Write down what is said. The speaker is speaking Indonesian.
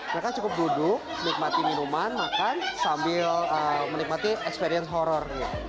mereka cukup duduk nikmati minuman makan sambil menikmati experience horror